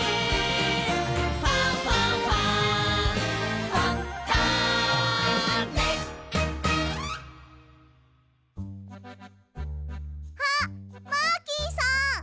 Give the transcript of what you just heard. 「ファンファンファン」あっマーキーさん！